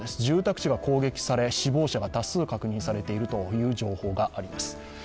住宅地が攻撃され、死亡者が多数確認されているという情報があります。